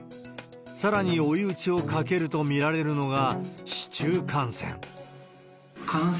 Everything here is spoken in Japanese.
さらに追い打ちをかけると見られるのが市中感染。